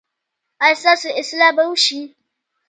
ایا ستاسو اصلاح به وشي؟